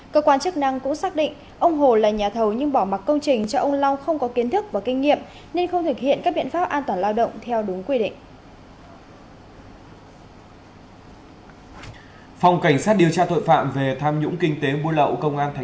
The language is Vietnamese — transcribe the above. cơ quan chức năng cũng xác định ông hồ là nhà thầu nhưng bỏ mặt công trình cho ông long không có kiến thức và kinh nghiệm nên không thực hiện các biện pháp an toàn lao động theo đúng quy định